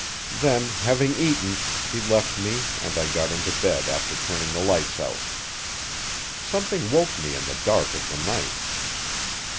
Then, having eaten, he left me and I got into bed after turning the lights out Something woke me in the dark of the night.